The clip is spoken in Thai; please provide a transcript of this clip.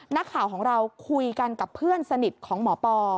นักข่าวของเราคุยกันกับเพื่อนสนิทของหมอปอ